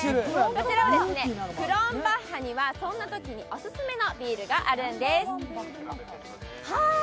こちらクロンバッハにはそんなときにオススメのビールがあるんです。